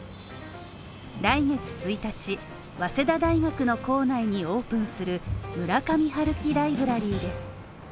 来月１日、早稲田大学の構内にオープンする村上春樹ライブラリーです。